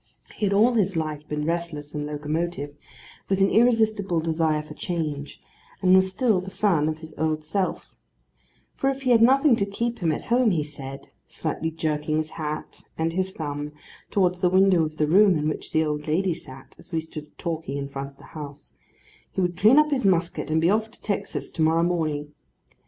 He had all his life been restless and locomotive, with an irresistible desire for change; and was still the son of his old self: for if he had nothing to keep him at home, he said (slightly jerking his hat and his thumb towards the window of the room in which the old lady sat, as we stood talking in front of the house), he would clean up his musket, and be off to Texas to morrow morning.